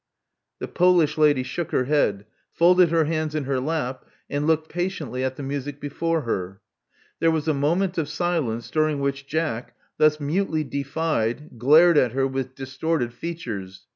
The Polish lady shook her head; folded her hands in her lap ; and looked patiently at the music before her. There was a moment of silence, during which Jack, thus mutely defied, glared at her with distorted features.